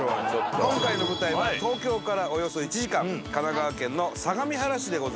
今回の舞台は東京からおよそ１時間神奈川県の相模原市でございます。